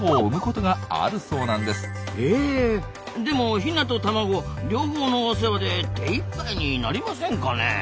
へえでもヒナと卵両方のお世話で手いっぱいになりませんかねえ？